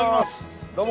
どうも。